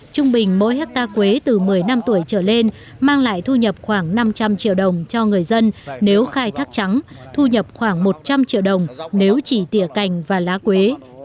trung bình mỗi hectare quế từ một mươi năm tuổi trở lên mang lại thu nhập khoảng năm trăm linh triệu đồng cho người dân nếu khai thác trắng thu nhập khoảng một trăm linh triệu đồng nếu chỉ tỉa cành và lá quế